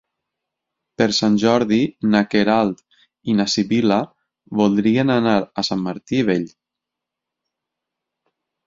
Per Sant Jordi na Queralt i na Sibil·la voldrien anar a Sant Martí Vell.